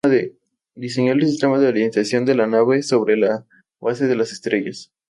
Diseñó el sistema de orientación de la nave sobre la base de las estrellas.